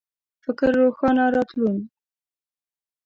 فکر روښانه راتلون